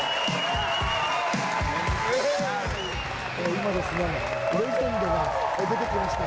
今、レジェンドが出てきました。